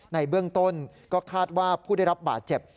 ในเบื้องต้นก็คาดว่าผู้ได้รับบาดเจ็บ